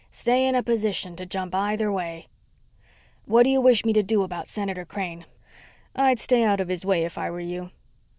Stay in a position to jump either way._ "What do you wish me to do about Senator Crane?" "I'd stay out of his way if I were you."